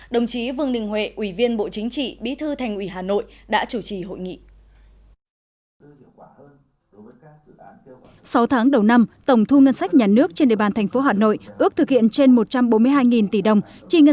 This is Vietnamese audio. đồng chí vương đình huệ ủy viên bộ chính trị bí thư thành ủy hà nội đã chủ trì hội nghị